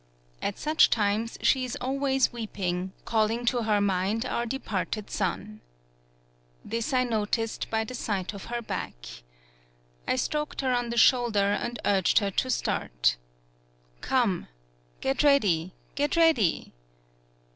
At such times, 135 PAULOWNIA she is always weeping, calling to her mind our departed son. This I no ticed by the sight of her back. I stroked her on the shoulder and urged her to start. "Come. Get ready, get ready!"